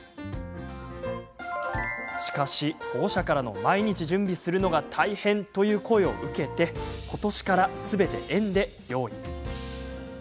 しかし、保護者からの毎日準備するのが大変という声を受けて今年からすべて園で用意。